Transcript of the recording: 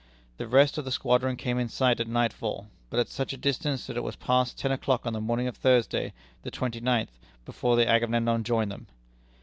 The rest of the squadron came in sight at nightfall, but at such a distance that it was past ten o'clock on the morning of Thursday, the twenty ninth, before the Agamemnon joined them.